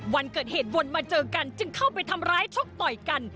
วันเกิดเหตุวนมาเจอกันจึงเข้าไปทำร้ายชกต่อยกัน